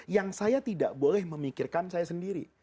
yang saya tidak boleh memikirkan saya sendiri